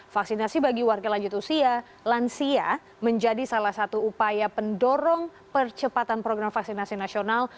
vaksinasi bagi warga lanjut usia lansia menjadi salah satu upaya pendorong percepatan program vaksinasi nasional